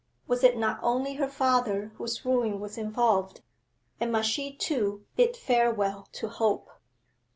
Was it not only her father whose ruin was involved, and must she too bid farewell to hope?